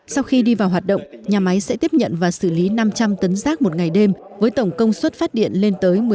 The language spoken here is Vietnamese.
sau khi đi vào hoạt động nhà máy sẽ tiếp nhận và xử lý năm trăm linh tấn rác một ngày đêm với tổng công suất phát điện lên tới một mươi một bảy mw